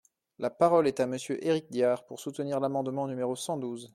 La parole est à Monsieur Éric Diard, pour soutenir l’amendement numéro cent douze.